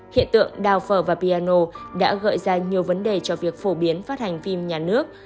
hiện tượng đào phở và piano đã gợi ra nhiều vấn đề cho việc phổ biến phát hành phim nhà nước